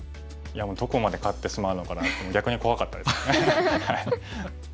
いやもうどこまで勝ってしまうのかなって逆に怖かったですね。